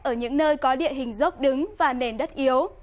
ở những nơi có địa hình dốc đứng và nền đất yếu